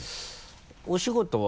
お仕事は？